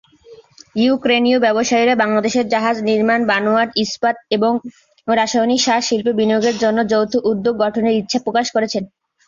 ইউক্রেনীয় ব্যবসায়ীরা বাংলাদেশের জাহাজ নির্মাণ, বানোয়াট ইস্পাত এবং রাসায়নিক সার শিল্পে বিনিয়োগের জন্য যৌথ উদ্যোগ গঠনের ইচ্ছা প্রকাশ করেছে।